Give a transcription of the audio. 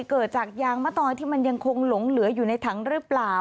เกิดจากยางมะตอยที่มันยังคงหลงเหลืออยู่ในถังหรือเปล่า